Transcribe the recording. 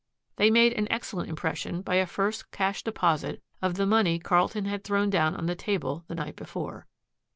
They made an excellent impression by a first cash deposit of the money Carlton had thrown down on the table the night before.